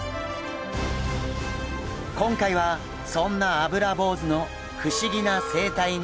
今回はそんなアブラボウズの不思議な生態に迫ります！